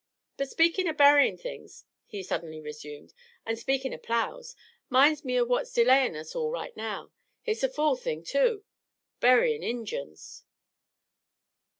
"But speakin' o' buryin' things," he suddenly resumed, "an' speakin' o' plows, 'minds me o' what's delayin' us all right now. Hit's a fool thing, too buryin' Injuns!"